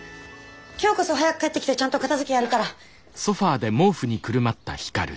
今日こそ早く帰ってきてちゃんと片づけやるから。